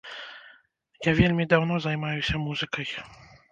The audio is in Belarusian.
Я вельмі даўно займаюся музыкай.